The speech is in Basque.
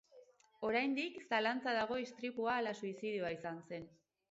Oraindik zalantza dago istripua ala suizidioa izan zen.